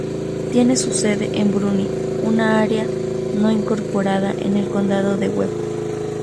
Tiene su sede en Bruni, una área no incorporada en el Condado de Webb.